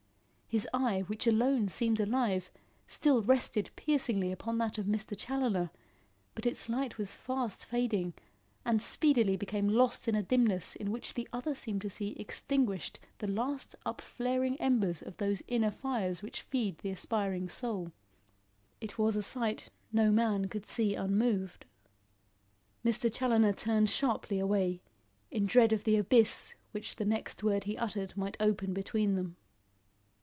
His eye which alone seemed alive, still rested piercingly upon that of Mr. Challoner, but its light was fast fading, and speedily became lost in a dimness in which the other seemed to see extinguished the last upflaring embers of those inner fires which feed the aspiring soul. It was a sight no man could see unmoved. Mr. Challoner turned sharply away, in dread of the abyss which the next word he uttered might open between them.